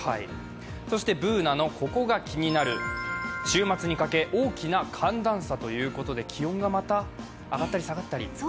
そしてＢｏｏｎａの「ココがキニナル」週末にかけ大きな寒暖差ということで、気温がまた上がったり下がったり。